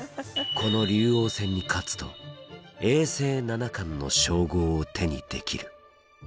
この竜王戦に勝つと永世七冠の称号を手にできる。